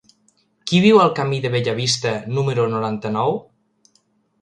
Qui viu al camí de Bellavista número noranta-nou?